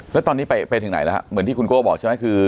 แล้วตอนนี้ไปถึงไหนแล้วเหมือนที่คุณโก้บอกใช่ไหมคือ